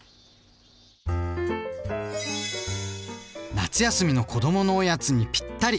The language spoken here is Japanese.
夏休みの子どものおやつにぴったり！